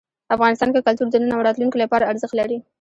افغانستان کې کلتور د نن او راتلونکي لپاره ارزښت لري.